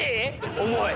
重い？